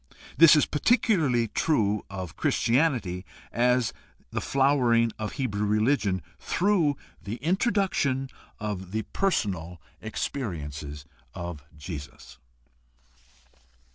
This is particularly true of Christianity as the flowering of Hebrew religion through the introduction of the personal experiences of Jesus.